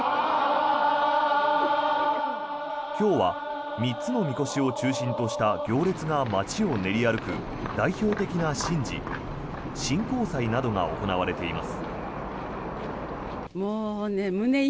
今日は３つのみこしを中心とした行列が街を練り歩く代表的な神事神幸祭などが行われています。